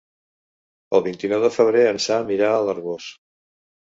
El vint-i-nou de febrer en Sam irà a l'Arboç.